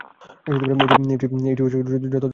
এইটি হচ্ছে যথার্থ আত্মোন্নতির উপায়।